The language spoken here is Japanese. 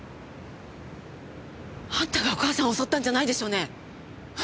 あんたがお義母さんを襲ったんじゃないでしょうね！？